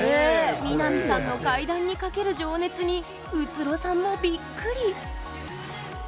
美波さんの怪談にかける情熱に宇津呂さんもびっくり！